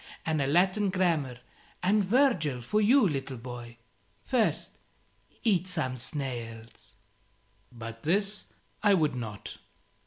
And a Latin Grammar and Virgil for you, little boy. First, eat some snails." But this I would not.